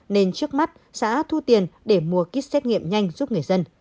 nên trước mắt xã thu tiền để mua kit xét nghiệm nhanh giúp người dân